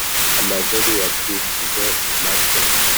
Amajeri acishije make